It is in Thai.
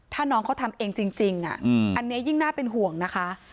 ถ้าน้องเขาทำเองจริงอันนี้ยิ่งน่าเป็นห่วงนะคะ